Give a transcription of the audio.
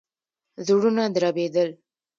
زړونه دربېدل.